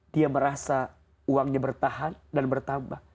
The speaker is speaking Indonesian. dia merasa uangnya bertahan dan bertambah